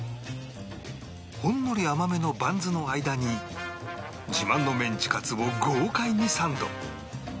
ほんのり甘めのバンズの間に自慢のメンチカツを豪快にサンド